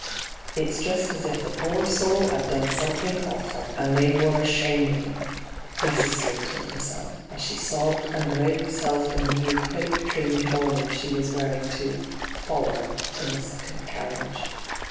' It's just as if the pore soul 'ad done some think awful, and they were ashamed of 'im,' D,gt,, 6rtbyGOO>^IC ENTRAPPED 85 Mrs. Slee told herself, as she sobbed and arrayed herself in the new crape trimmed mourning she was wearing to ' foller ' in the second carriage.